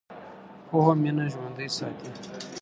پوهه مینه ژوندۍ ساتي.